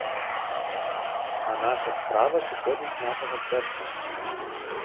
А наша справа сыходзіць з нашага сэрца.